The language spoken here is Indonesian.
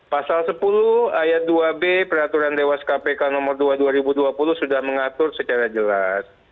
pasal sepuluh ayat dua b peraturan dewas kpk nomor dua dua ribu dua puluh sudah mengatur secara jelas